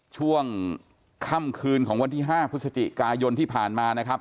ช่วงค่ำคืนของวันที่๕พฤศจิกายนที่ผ่านมานะครับ